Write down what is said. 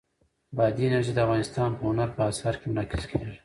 بادي انرژي د افغانستان په هنر په اثار کې منعکس کېږي.